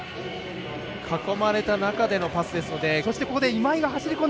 囲まれた中でのパスですので。